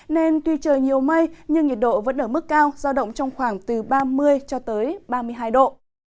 nhiều mây nhưng nhiệt độ vẫn ở mức cao giao động trong khoảng từ ba mươi cho tới ba mươi hai độ